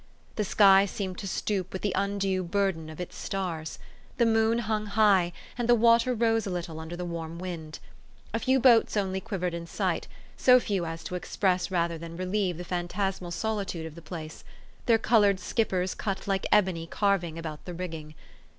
The sky seemed to stoop with the undue burden of its stars. The moon hung high, and the water rose a little under the warm wind. A few boats only quiv ered in sight, so few as to express rather than THE STORY OF AVIS. 419 relieve the phantasmal solitude of the place : their colored skippers cut like ebony carving about the rigging.